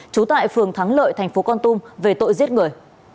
trú tại phường thắng lợi thành phố con tum về tội giết người